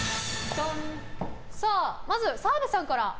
まず、澤部さんから。